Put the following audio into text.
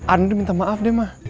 andri minta maaf deh mak